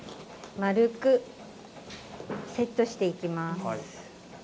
円くセットしていきます。